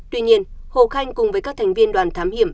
tuy nhiên hồ khanh cùng với các thành viên đoàn thám hiểm